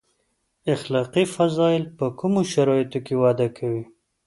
اخلاقي فضایل په کومو شرایطو کې وده کوي.